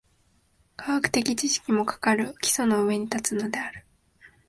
科学的知識も、かかる基礎の上に立つのである。